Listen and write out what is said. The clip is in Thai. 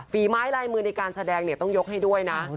ฝีไม้ลายมือในการแสดงเนี่ยต้องยกให้ด้วยนะ